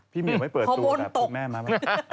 พี่เหมาไม่เปิดตรงกระบวนตกหรอพี่แม่มากะ